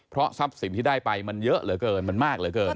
เพราะทรัพย์สินที่ได้ไปมันเยอะเหลือเกินมันมากเหลือเกิน